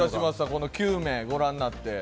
この９名ご覧になって。